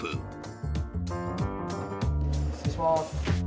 失礼します。